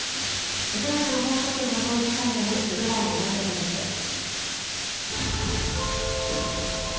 ウクライナの放送局の統一チャンネルウクライナＵｎｉｔｅｄＮｅｗｓです。